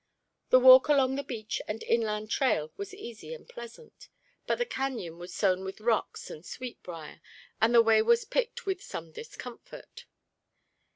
The walk along the beach and inland trail was easy and pleasant, but the cañon was sown with rocks and sweet brier; and the way was picked with some discomfort.